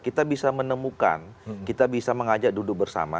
kita bisa menemukan kita bisa mengajak duduk bersama